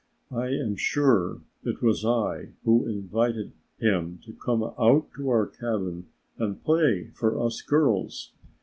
I am sure it was I who invited him to come out to our cabin and play for us girls.